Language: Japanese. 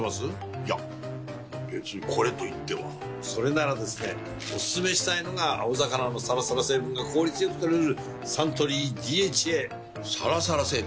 いや別にこれといってはそれならですねおすすめしたいのが青魚のサラサラ成分が効率良く摂れるサントリー「ＤＨＡ」サラサラ成分？